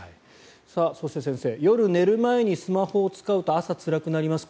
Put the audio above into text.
そして、先生夜寝る前にスマホを使うと朝、つらくなります。